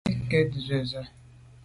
Bo yi nke nzwe zwe’.